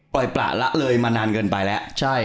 ปล่อยประละเลยมานานเกินไปแล้ว